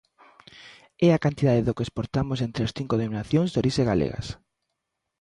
É a cantidade do que exportamos entre as cinco denominacións de orixe galegas.